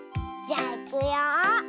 じゃあいくよ。